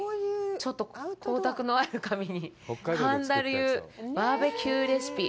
ちょっと光沢のある紙に、神田流バーベキューレシピ。